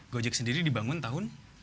gojek sendiri dibangun tahun